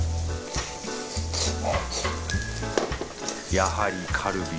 やはりカルビ。